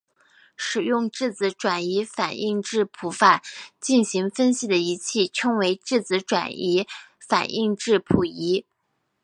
使用质子转移反应质谱法进行分析的仪器称为质子转移反应质谱仪。